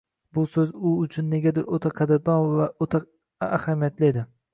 Bu so‘z u uchun negadir o‘ta qadrdon va o‘ta ahamiyatli edi.